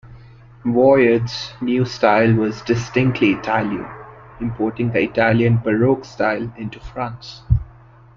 Vouet's new style was distinctly Italian, importing the Italian Baroque style into France.